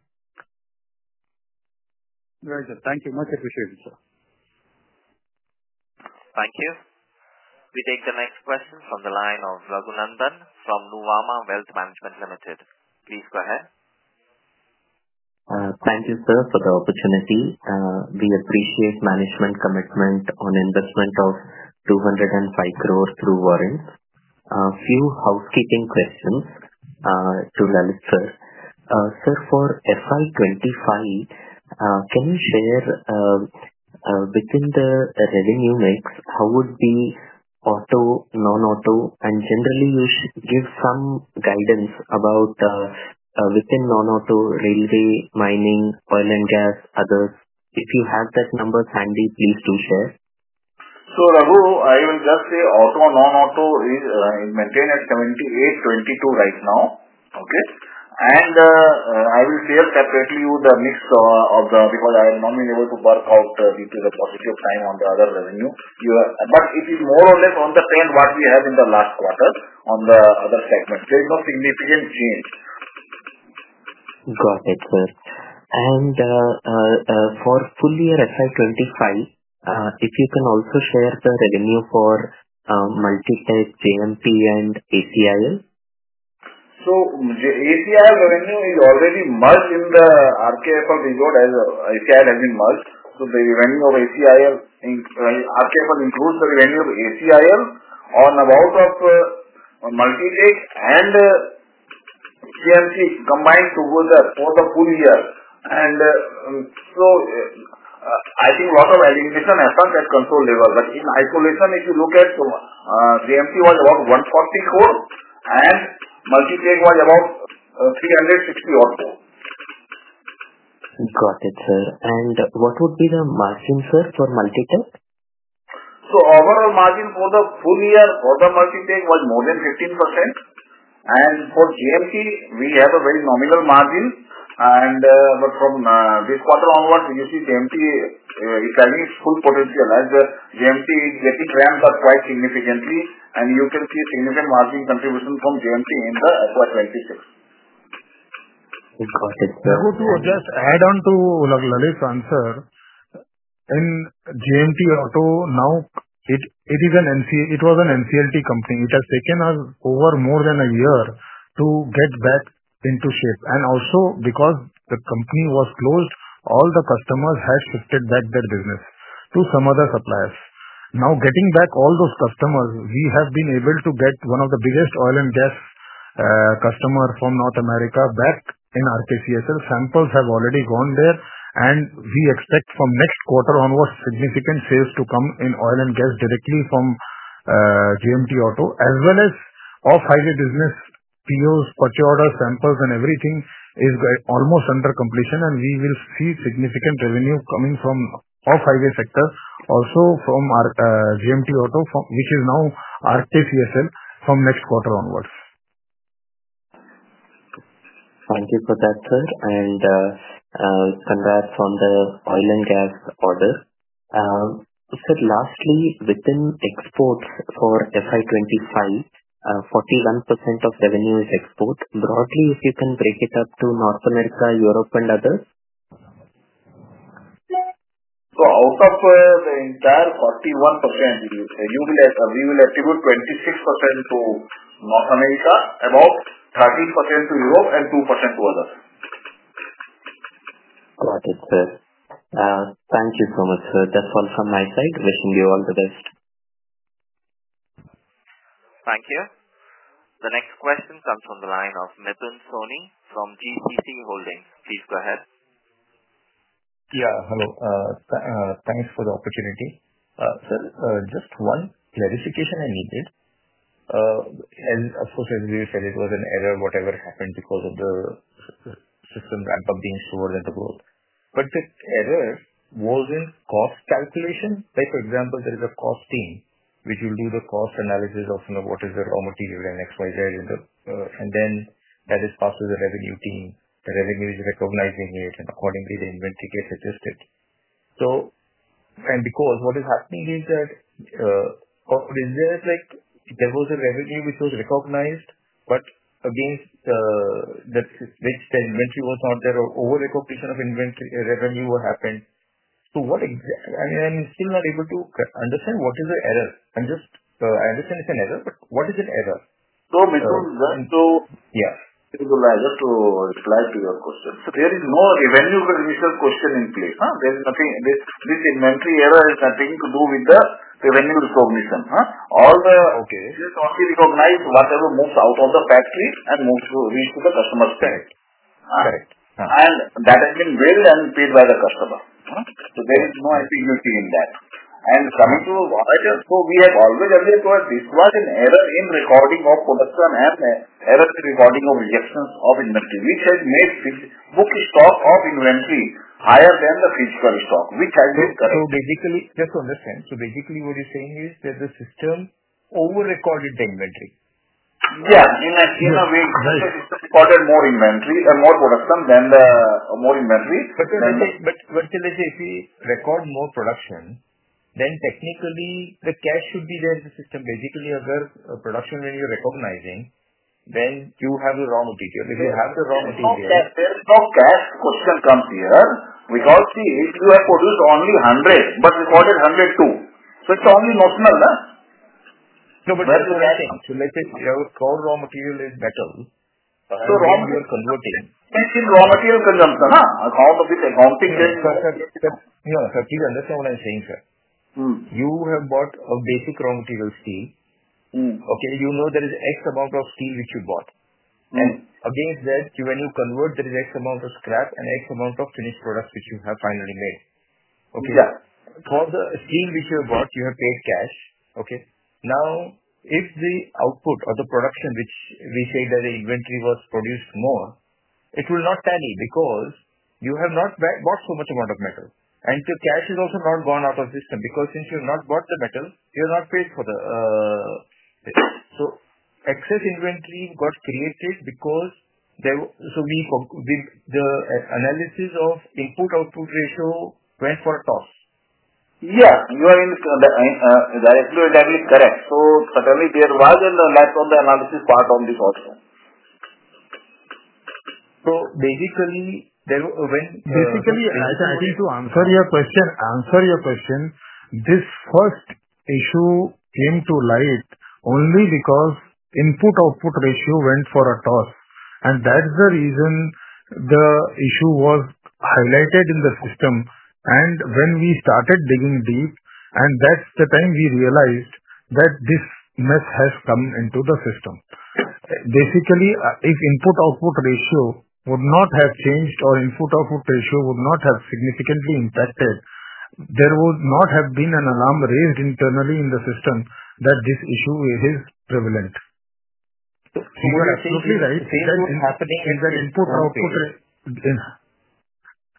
Right, sir. Thank you. Much appreciated, sir. Thank you. We take the next question from the line of Raghunandhan from Nuvama Wealth Management Limited. Please go ahead. Thank you, sir, for the opportunity. We appreciate management commitment on investment of 205 crore through warrants. A few housekeeping questions to Lalit sir. Sir, for FY 2025, can you share within the revenue mix, how would be auto, non-auto, and generally you should give some guidance about within non-auto, railway, mining, oil and gas, others? If you have that numbers handy, please do share. Raghu, I will just say auto, non-auto is maintained at 78%, 22% right now. Okay? I will share separately with the mix of the because I am not able to work out the positive time on the other revenue. It is more or less on the trend what we have in the last quarter on the other segment. There is no significant change. Got it, sir. For full year FY 2025, if you can also share the revenue for Multi-Take, JMP, and ACIL? ACIL revenue is already merged in the RKFL result as ACIL has been merged. The revenue of ACIL, RKFL includes the revenue of ACIL on the bout of Multi-Take and CMC combined together for the full year. I think a lot of allegations happened at console level. In isolation, if you look at JMP was about 140 crore and Multi-Take was about 360 crore or more. Got it, sir. What would be the margin, sir, for Multi-Take? Overall margin for the full year for the Multi-Take was more than 15%. For JMP, we have a very nominal margin. From this quarter onwards, you see JMP is having its full potential as JMP is getting ramped up quite significantly. You can see a significant margin contribution from JMP in FY2026. Got it, sir. I want to just add on to Lalit's answer. In JMP Auto, now it was an NCLT company. It has taken us over more than a year to get back into shape. Also, because the company was closed, all the customers had shifted back their business to some other suppliers. Now getting back all those customers, we have been able to get one of the biggest oil and gas customers from North America back in RKCSL. Samples have already gone there. We expect from next quarter onwards, significant sales to come in oil and gas directly from JMP Auto, as well as off-highway business, POs, purchase orders, samples, and everything is almost under completion. We will see significant revenue coming from off-highway sector, also from JMP Auto, which is now RKCSL, from next quarter onwards. Thank you for that, sir. Congrats on the oil and gas order. Sir, lastly, within exports for FY25, 41% of revenue is export. Broadly, if you can break it up to North America, Europe, and others? Out of the entire 41%, we will attribute 26% to North America, about 30% to Europe, and 2% to others. Got it, sir. Thank you so much, sir. That's all from my side. Wishing you all the best. Thank you. The next question comes from the line of Mipin Soni from GPC Holdings. Please go ahead. Yeah, hello. Thanks for the opportunity. Sir, just one clarification I needed. Of course, as we said, it was an error, whatever happened because of the system ramp-up being slower than the growth. The error was in cost calculation. For example, there is a cost team which will do the cost analysis of what is the raw material and X, Y, Z, and then that is passed to the revenue team. The revenue is recognizing it, and accordingly, the inventory gets adjusted. Because what is happening is that there was a revenue which was recognized, but against which the inventory was not there, or over-recognition of revenue happened. What exactly, I mean, I am still not able to understand what is the error. I understand it is an error, but what is an error? No, Mipin, sir. Yeah. It would be better to reply to your question. There is no revenue recognition question in place. This inventory error has nothing to do with the revenue recognition. All the company recognized whatever moves out of the factory and moves to reach to the customer's bank. Correct. That has been billed and paid by the customer. There is no ambiguity in that. Coming to, we have always argued this was an error in recording of production and error in recording of rejections of inventory, which has made book stock of inventory higher than the physical stock, which has been corrupted. Basically, just to understand, so basically what you're saying is that the system over-recorded the inventory? Yeah. In a way, the system recorded more inventory and more production than more inventory. Let's say if we record more production, then technically the cash should be there in the system. Basically, if there's production revenue recognizing, then you have the raw material. If you have the raw material. There is no cash question comes here because if you have produced only 100, but recorded 102, so it's only notional. No, but let's say your raw material is better. Raw material converting. Raw material consumption, account of its accounting then. Yeah, sir. Please understand what I'm saying, sir. You have bought a basic raw material steel. Okay? You know there is X amount of steel which you bought. And against that, when you convert, there is X amount of scrap and X amount of finished products which you have finally made. Okay? For the steel which you have bought, you have paid cash. Okay? Now, if the output of the production which we say that the inventory was produced more, it will not tally because you have not bought so much amount of metal. And the cash has also not gone out of the system because since you have not bought the metal, you have not paid for the so excess inventory got created because so the analysis of input-output ratio went for a toss. Yeah. You are directly correct. Certainly, there was a lack of the analysis part on this also. Basically, when. Basically, I think to answer your question, this first issue came to light only because input-output ratio went for a toss. That is the reason the issue was highlighted in the system. When we started digging deep, that is the time we realized that this mess has come into the system. Basically, if input-output ratio would not have changed or input-output ratio would not have significantly impacted, there would not have been an alarm raised internally in the system that this issue is prevalent. You are absolutely right. What you're saying is that input-output. Is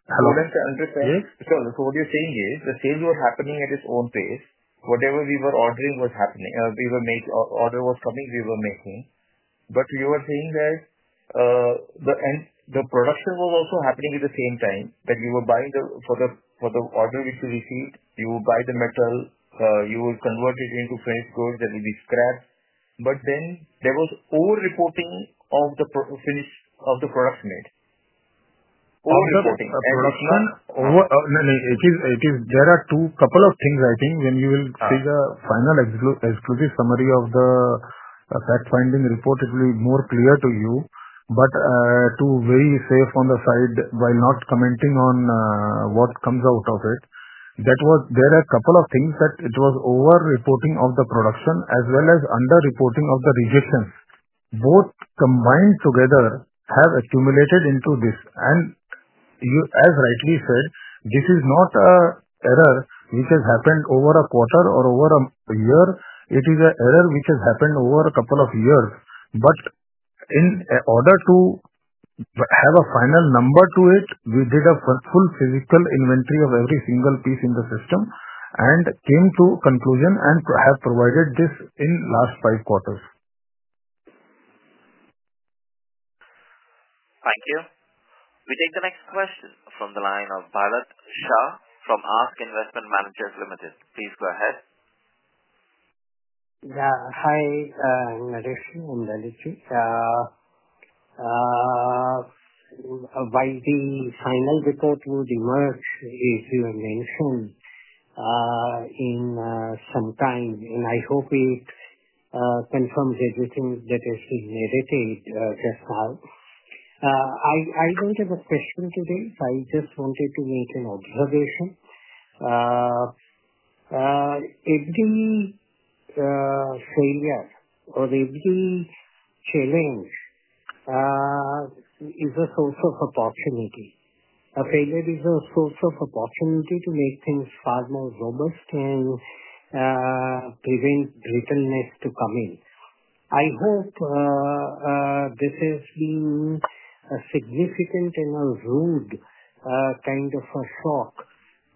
that input-output? Hello? Yes. What you're saying is the sales were happening at its own pace. Whatever we were ordering was happening. Order was coming, we were making. You were saying that the production was also happening at the same time that you were buying for the order which you received, you would buy the metal, you would convert it into finished goods that would be scrap. Then there was over-reporting of the products made. Over-reporting. No, no. There are a couple of things, I think. When you will see the final exclusive summary of the fact-finding report, it will be more clear to you. To be safe on the side, while not commenting on what comes out of it, there are a couple of things that it was over-reporting of the production as well as under-reporting of the rejections. Both combined together have accumulated into this. As rightly said, this is not an error which has happened over a quarter or over a year. It is an error which has happened over a couple of years. In order to have a final number to it, we did a full physical inventory of every single piece in the system and came to conclusion and have provided this in last five quarters. Thank you. We take the next question from the line of Bharat Shah from ASK Investment Managers Limited. Please go ahead. Yeah. Hi, Naresh and Lalit. While the final report would emerge, as you have mentioned, in some time. I hope it confirms everything that has been edited just now. I don't have a question today. I just wanted to make an observation. Every failure or every challenge is a source of opportunity. A failure is a source of opportunity to make things far more robust and prevent brittleness to come in. I hope this has been a significant and a rude kind of a shock,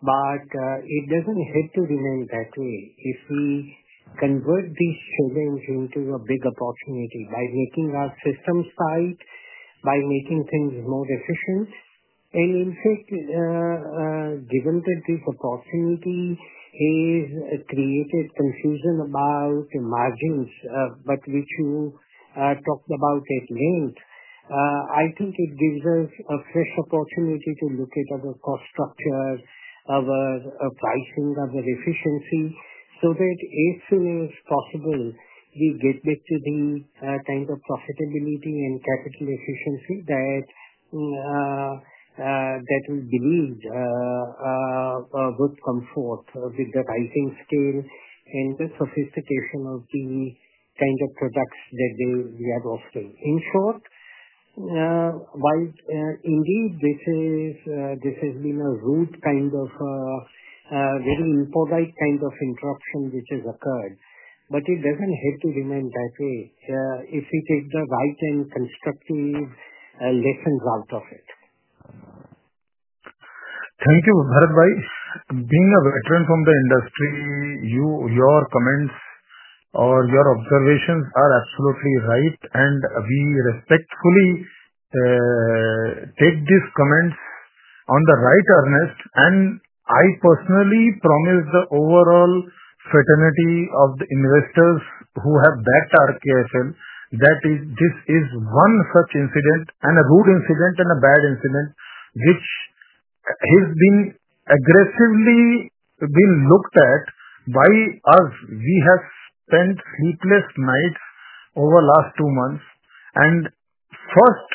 but it doesn't have to remain that way. If we convert this challenge into a big opportunity by making our systems tight, by making things more efficient, and in fact, given that this opportunity has created confusion about margins, which you talked about at length, I think it gives us a fresh opportunity to look at our cost structure, our pricing, our efficiency, so that as soon as possible, we get back to the kind of profitability and capital efficiency that we believe would come forth with the pricing scale and the sophistication of the kind of products that we are offering. In short, while indeed this has been a rude kind of very impolite kind of interruption which has occurred, it does not have to remain that way if we take the right and constructive lessons out of it. Thank you, Bharat. Being a veteran from the industry, your comments or your observations are absolutely right. We respectfully take these comments in the right earnest. I personally promise the overall fraternity of the investors who have backed RKFL that this is one such incident, and a rude incident, and a bad incident, which has been aggressively looked at by us. We have spent sleepless nights over the last two months. For the first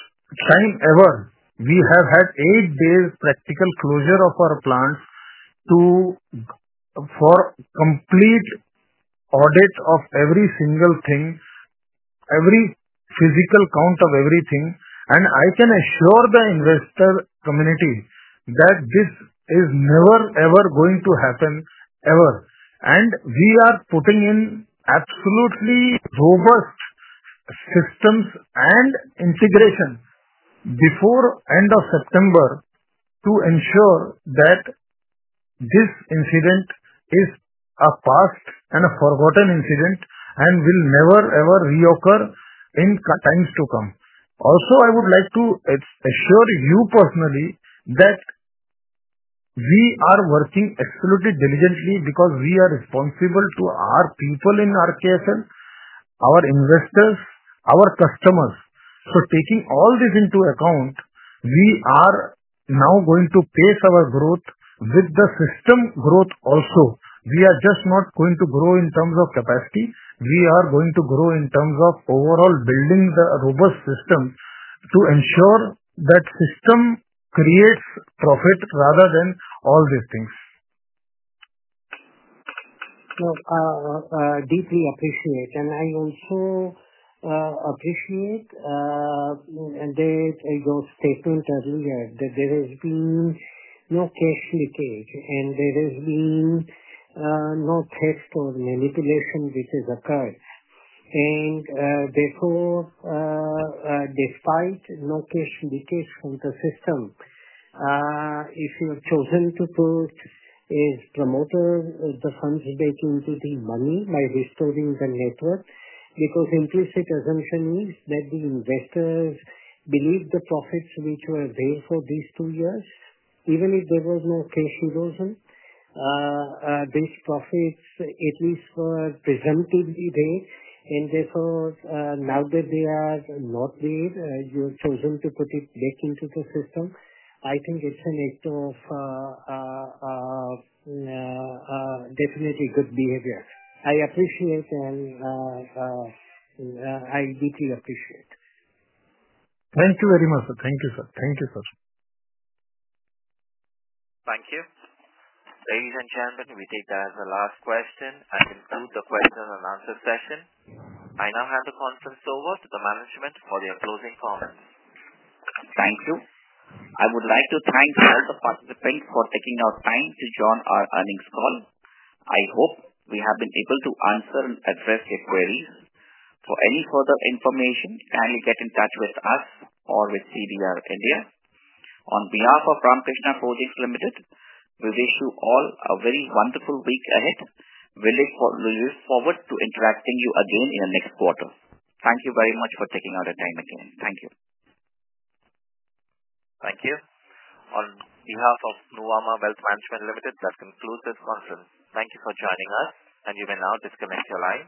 time ever, we have had eight days practical closure of our plants for complete audit of every single thing, every physical count of everything. I can assure the investor community that this is never ever going to happen ever. We are putting in absolutely robust systems and integration before the end of September to ensure that this incident is a past and a forgotten incident and will never ever reoccur in times to come. Also, I would like to assure you personally that we are working absolutely diligently because we are responsible to our people in RKFL, our investors, our customers. Taking all this into account, we are now going to pace our growth with the system growth also. We are just not going to grow in terms of capacity. We are going to grow in terms of overall building the robust system to ensure that system creates profit rather than all these things. I deeply appreciate. I also appreciate your statement earlier that there has been no cash leakage, and there has been no theft or manipulation which has occurred. Therefore, despite no cash leakage from the system, if you have chosen to put as promoter, the funds back into the money by restoring the network because implicit assumption is that the investors believe the profits which were there for these two years, even if there was no cash erosion, these profits at least were presumptively there. Therefore, now that they are not there, you have chosen to put it back into the system. I think it is an act of definitely good behavior. I appreciate, and I deeply appreciate. Thank you very much, sir. Thank you, sir. Thank you. Ladies and gentlemen, we take that as the last question and conclude the question and answer session. I now hand the conference over to the management for their closing comments. Thank you. I would like to thank all the participants for taking your time to join our earnings call. I hope we have been able to answer and address your queries. For any further information, kindly get in touch with us or with CBR India. On behalf of Ramkrishna Forgings Limited, we wish you all a very wonderful week ahead, and we look forward to interacting with you again in the next quarter. Thank you very much for taking out your time again. Thank you. Thank you. On behalf of Nuvama Wealth Management Limited, that concludes this conference. Thank you for joining us, and you may now disconnect your line.